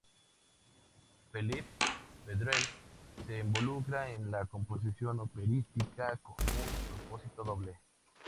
Felip Pedrell se involucra en la composición operística con un propósito doble.